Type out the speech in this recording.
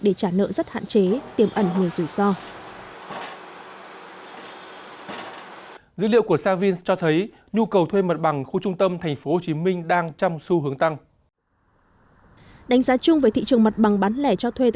để trả nợ rất hạn chế tiêm ẩn người rủi ro